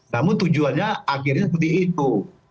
namun tujuannya akhirnya seperti itu